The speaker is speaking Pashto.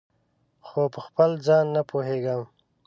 خو پخپل ځان نه پوهیږم